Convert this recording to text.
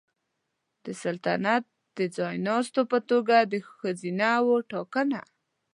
د سلطنت د ځایناستو په توګه د ښځینه وو ټاکنه